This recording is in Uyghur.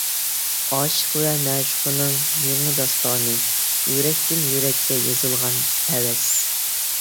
ئاشىق ۋە مەشۇقنىڭ يېڭى داستانى، يۈرەكتىن يۈرەككە يېزىلغان پەۋەس.